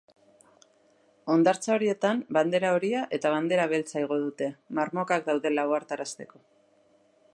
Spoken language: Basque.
Hondartza horietan bandera horia eta bandera beltza igo dute, marmokak daudela ohartarazteko.